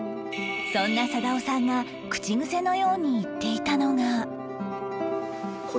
そんな貞雄さんが口癖のように言っていたのが